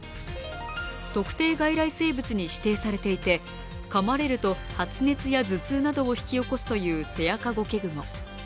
特定外来生物に指定されていて、かまれると発熱や頭痛などを引き起こすというセアカゴケグモ。